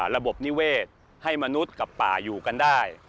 ระบบนิเวศให้มนุษย์กับป่าอยู่กันได้